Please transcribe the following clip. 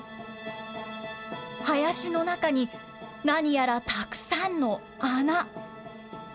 林の中に何やらたくさんの穴。